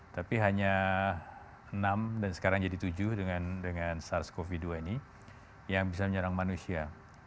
tapi hanya enam dan sekarang jadi tujuh dengan sars cov dua ini yang bisa menyerang manusia